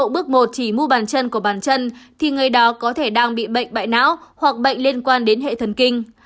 đi bộ bước một chỉ mu bàn chân của bàn chân thì người đó có thể đang bị bệnh bại não hoặc bệnh liên quan đến hệ thần kinh